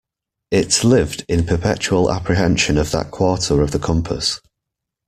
It lived in perpetual apprehension of that quarter of the compass.